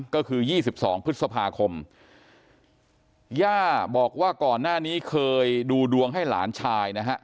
ก็คือ๒๒พฤษภาคมย่าบอกว่าก่อนหน้านี้เคยดูดวงให้หลานชายนะฮะ